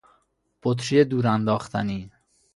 بطری دورانداختنی